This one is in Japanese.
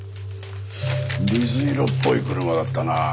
水色っぽい車だったな。